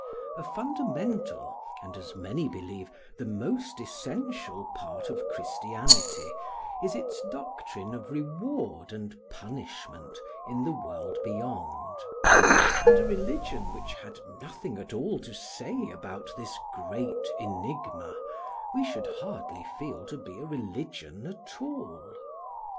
A fundamental, and as many believe, the most essential part of Christianity, is its doctrine of reward and punishment in the world beyond; and a religion which had nothing at all to say about this great enigma we should hardly feel to be a religion at all.